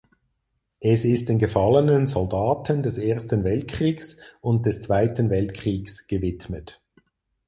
Es ist den gefallenen Soldaten des Ersten Weltkriegs und des Zweiten Weltkriegs gewidmet.